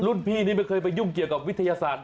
พี่นี่ไม่เคยไปยุ่งเกี่ยวกับวิทยาศาสตร์